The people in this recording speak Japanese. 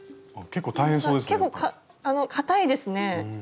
結構かあのかたいですね。